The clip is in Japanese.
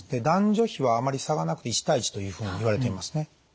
男女比はあまり差がなくて１対１というふうにいわれていますね。